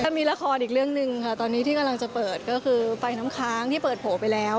มีละครอีกเรื่องหนึ่งค่ะตอนนี้ที่กำลังจะเปิดก็คือไฟน้ำค้างที่เปิดโผล่ไปแล้ว